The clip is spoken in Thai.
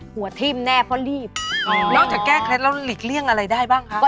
ใส่ใจข้อมือได้มั้ย